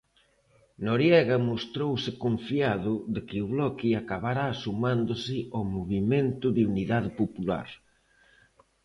Noriega mostrouse confiado de que o Bloque acabará sumándose ao movemento de unidade popular.